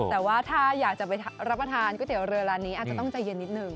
แต่ว่าถ้าอยากจะไปรับประทานก๋วยเตี๋ยวเรือร้านนี้อาจจะต้องใจเย็นนิดนึง